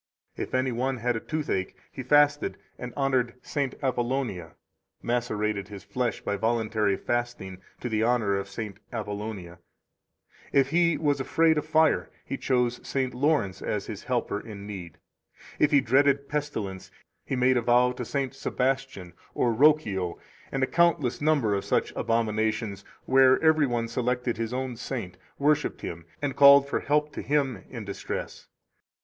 If any one had toothache, he fasted and honored St. Apollonia [macerated his flesh by voluntary fasting to the honor of St. Apollonia]; if he was afraid of fire, he chose St. Lawrence as his helper in need; if he dreaded pestilence, he made a vow to St. Sebastian or Rochio, and a countless number of such abominations, where every one selected his own saint, worshiped him, and called for help to him in distress.